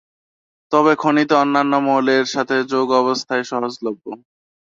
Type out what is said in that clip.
তবে খনিতে অন্যান্য মৌলের সাথে যৌগাবস্থায় সহজলভ্য।